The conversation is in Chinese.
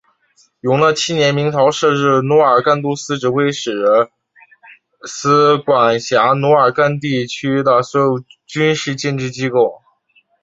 永乐七年明朝设置奴儿干都指挥使司管辖奴儿干地区的所有军事建制机构。